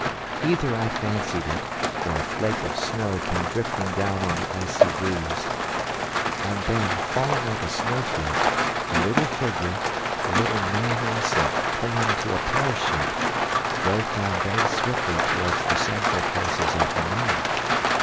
"Either I fancied it or a flake of snow came drifting down on the icy breeze. And then, falling like a snowflake, a little figure, a little man insect, clinging to a parachute, drove down very swiftly towards the central places of the moon.